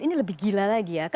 ini lebih gila lagi ya